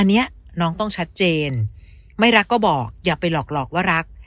อันนี้น้องต้องชัดเจนไม่รักก็บอกอย่าไปหลอกหลอกว่ารัก